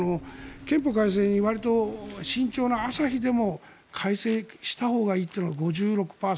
憲法改正にわりと慎重な朝日でも改正したほうがいいというのが５６％。